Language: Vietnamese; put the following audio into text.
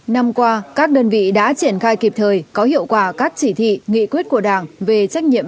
năm qua các đơn vị đã triển khai kịp thời có hiệu quả các chỉ thị nghị quyết của đảng về trách nhiệm